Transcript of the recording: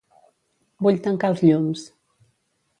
Vull tancar els llums.